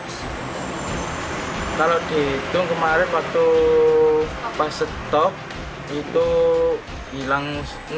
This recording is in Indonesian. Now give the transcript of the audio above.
kalau dihitung kemarin waktu pasetok itu hilang enam belas